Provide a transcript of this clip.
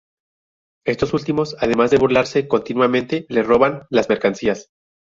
Estos últimos, además de burlarse continuamente, le robaban las mercancías.